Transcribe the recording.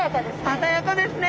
鮮やかですね。